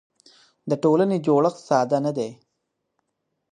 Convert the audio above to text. د ټولنې جوړښت ساده نه دی.